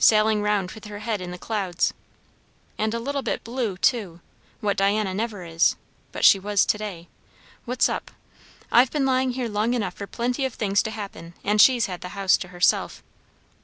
Sailing round with her head in the clouds. And a little bit blue, too; what Diana never is; but she was to day. What's up? I've been lying here long enough for plenty of things to happen; and she's had the house to herself.